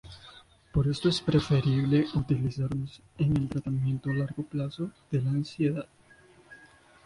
Por esto es preferible utilizarlos en el tratamiento a largo plazo de la ansiedad.